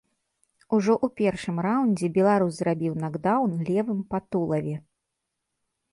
Ужо ў першым раўндзе беларус зрабіў накдаўн левым па тулаве.